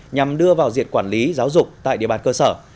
nhằm đưa vào diện quản lý giáo dục tại địa bàn cơ sở